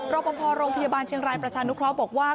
รอปภโรงพยาบาลเชียงรายประชานุเคราะห์บอกว่า